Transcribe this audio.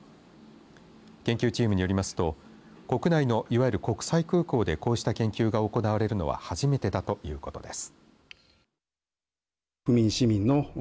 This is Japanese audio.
研究チームによりますと国内のいわゆる国際空港でこうした研究が行われるのは初めてだということです。